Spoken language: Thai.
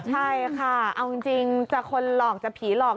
ใช่ค่ะเอาจริงจะคนหลอกจะผีหลอก